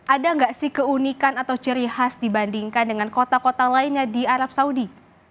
ada nggak sih keunikan atau ciri khas dibandingkan dengan kota kota lainnya di arab saudi